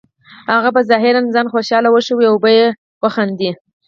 هغه به ظاهراً ځان خوشحاله وښیې او وبه خاندي